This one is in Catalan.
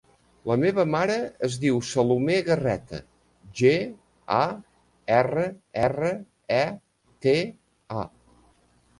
La meva mare es diu Salomé Garreta: ge, a, erra, erra, e, te, a.